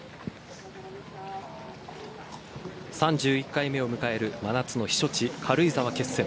３１回目を迎える真夏の避暑地、軽井沢決戦。